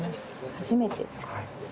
初めてですね。